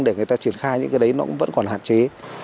để người ta triển khai những cái đấy nó cũng vẫn còn hạn chế